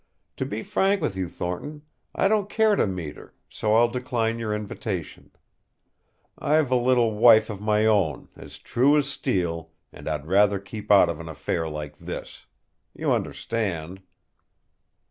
To be frank with you, Thornton, I don't care to meet her, so I'll decline your invitation. I've a little wife of my own, as true as steel, and I'd rather keep out of an affair like this. You understand?"